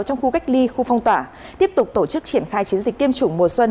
trong khu cách ly khu phong tỏa tiếp tục tổ chức triển khai chiến dịch tiêm chủng mùa xuân